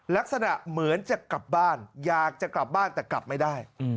ลักษณะเหมือนจะกลับบ้านอยากจะกลับบ้านแต่กลับไม่ได้